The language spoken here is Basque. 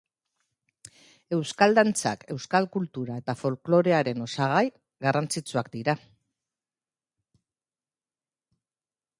Euskal dantzak euskal kultura eta folklorearen osagai garrantzitsuak dira.